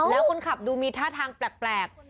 แล้วคนขับดูมีท่าทางแปลก